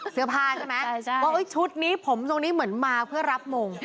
เสื้อผ้าใช่ไหมว่าชุดนี้ผมทรงนี้เหมือนมาเพื่อรับมง